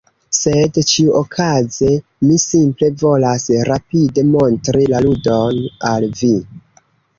Sed ĉiuokaze mi simple volas rapide montri la ludon al vi